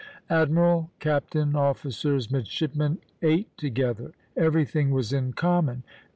Admiral, captain, officers, midshipmen, ate together; everything was in common.